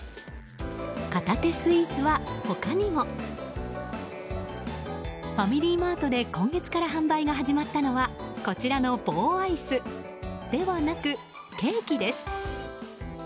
片手スイーツは他にもファミリーマートで今月から発売が始まったのはこちらの棒アイスではなくケーキです。